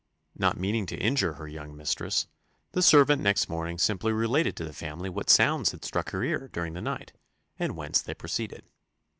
Not meaning to injure her young mistress, the servant next morning simply related to the family what sounds had struck her ear during the night, and whence they proceeded.